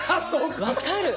分かる。